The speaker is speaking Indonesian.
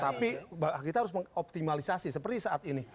tapi kita harus mengoptimalisasi seperti saat ini